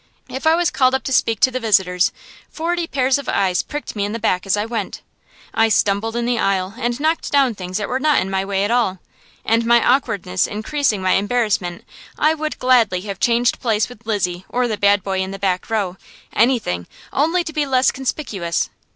If I was called up to speak to the visitors, forty pairs of eyes pricked me in the back as I went. I stumbled in the aisle, and knocked down things that were not at all in my way; and my awkwardness increasing my embarrassment I would gladly have changed places with Lizzie or the bad boy in the back row; anything, only to be less conspicuous.